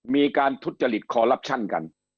มีการทุจริตคอลลับชั่นกัน